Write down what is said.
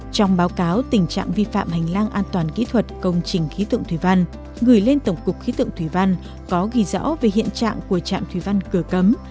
trong báo cáo tình trạng vi phạm hành lang an toàn kỹ thuật công trình khí tượng thủy văn gửi lên tổng cục khí tượng thủy văn có ghi rõ về hiện trạng của trạm thủy văn cửa cấm